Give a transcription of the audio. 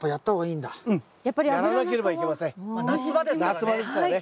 夏場ですからね。